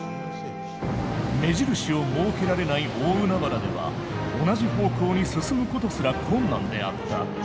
目印を設けられない大海原では同じ方向に進むことすら困難であった。